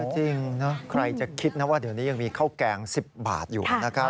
จริงนะใครจะคิดนะว่าเดี๋ยวนี้ยังมีข้าวแกง๑๐บาทอยู่นะครับ